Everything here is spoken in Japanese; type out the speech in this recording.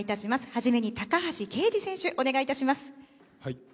はじめに高橋奎二選手お願いいたします。